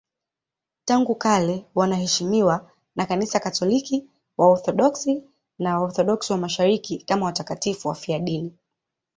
Tangu kale wanaheshimiwa na Kanisa Katoliki, Waorthodoksi na Waorthodoksi wa Mashariki kama watakatifu wafiadini.